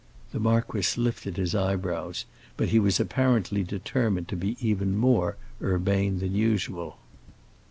The marquis lifted his eyebrows; but he was apparently determined to be even more urbane than usual.